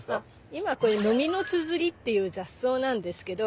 今これノミノツヅリっていう雑草なんですけど。